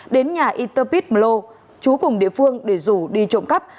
đến nhà interpid mlo chú cùng địa phương để rủ đi trộm cắp